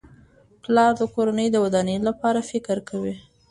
پلار د کورنۍ د ودانۍ لپاره فکر کوي.